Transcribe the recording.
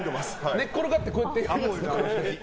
寝っころがってこうやって？